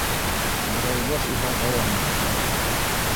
Быҙаубаш иһә дауам итте: